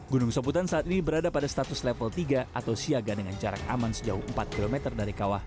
gunung saputan saat ini berada pada status level tiga atau siaga dengan jarak aman sejauh empat km dari kawah